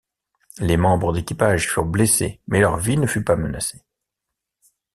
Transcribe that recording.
Les membres d'équipage furent blessés mais leur vie ne fut pas menacée.